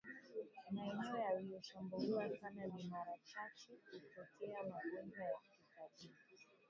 Maeneo yalioshambuliwa sana ni marachache kutokea magonjwa ya kitabibu